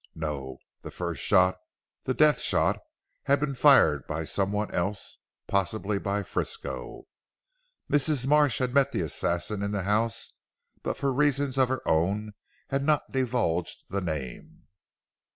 No! The first shot, the death shot had been fired by some one else, possibly by Frisco. Mrs. Marsh had met the assassin in the house, but for reasons of her own had not divulged the name.